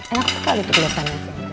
enak sekali tuh kelihatannya